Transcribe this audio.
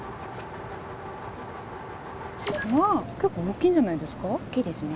結構大きいんじゃないですか？